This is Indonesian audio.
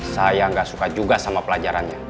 saya nggak suka juga sama pelajarannya